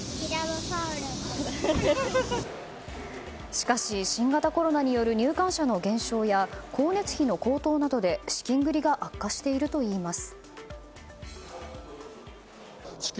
しかし新型コロナによる入館者の減少や光熱費の高騰などで資金繰りが悪化しているといいます。